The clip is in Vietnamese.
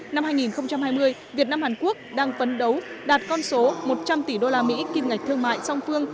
năm hai nghìn hai mươi việt nam hàn quốc đang phấn đấu đạt con số một trăm linh tỷ usd kim ngạch thương mại song phương